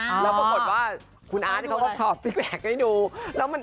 แล้วปรากฏว่าคุณอาทิเขาก็ถอดสิ้นแบบให้ดู